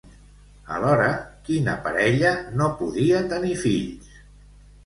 Alhora, quina parella no podia tenir fills?